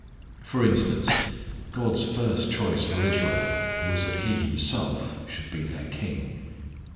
For instance, God's first choice for Israel was that He Himself should be their king.